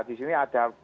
di sini ada